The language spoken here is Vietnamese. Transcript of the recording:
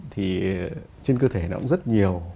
thì trên cơ thể nó cũng rất nhiều